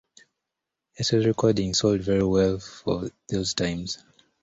Ace's recordings sold very well for those times.